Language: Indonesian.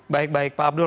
baik baik pak abdul